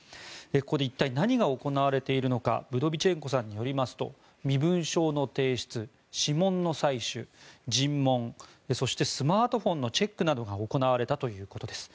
ここで一体何が行われているのかブドビチェンコさんによりますと身分証の提出、指紋の採取、尋問そしてスマートフォンのチェックなどが行われたということです。